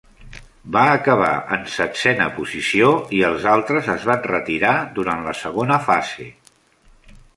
Va acabar en setzena posició i els altres es van retirar durant la segona fase.